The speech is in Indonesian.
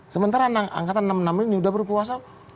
sementara angkatan enam puluh enam ini sudah berkuasa